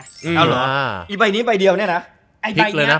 ไอ้ใบนี้ใบเดียวเนี่ยนะ